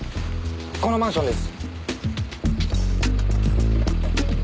このマンションです。